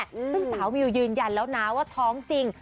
ซึ่งสาวมิวยืนยันแล้วนะว่าท้องจริง